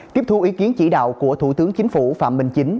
tiếp thu ý kiến chỉ đạo của thủ tướng chính phủ phạm minh chính